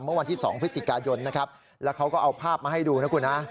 เมื่อวันที่๒พฤศจิกายนนะครับแล้วเขาก็เอาภาพมาให้ดูนะคุณฮะ